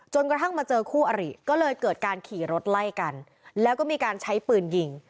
กระทั่งมาเจอคู่อริก็เลยเกิดการขี่รถไล่กันแล้วก็มีการใช้ปืนยิง